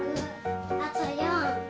あと４。